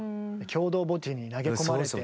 共同墓地に投げ込まれて。